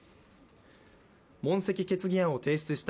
問責決議案を提出した